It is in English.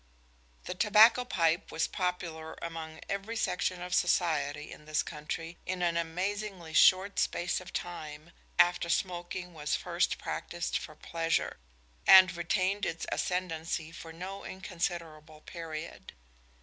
The tobacco pipe was popular among every section of society in this country in an amazingly short space of time after smoking was first practised for pleasure, and retained its ascendancy for no inconsiderable period.